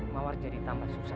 mawar jadi tambah susah